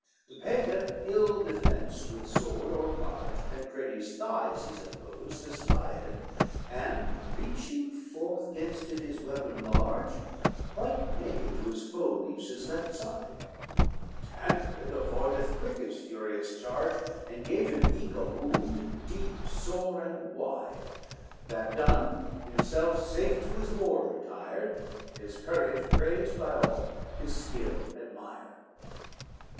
XLIII The Pagan ill defenced with sword or targe, Tancredi's thigh, as he supposed, espied And reaching forth gainst it his weapon large, Quite naked to his foe leaves his left side; Tancred avoideth quick his furious charge, And gave him eke a wound deep, sore and wide; That done, himself safe to his ward retired, His courage praised by all, his skill admired.